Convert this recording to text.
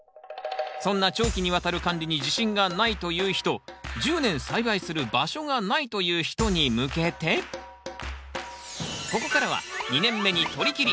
そんな長期にわたる管理に自信がないという人１０年栽培する場所がないという人に向けてここからは２年目にとりきり！